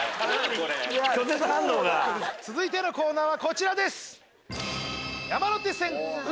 続いてのコーナはこちらです。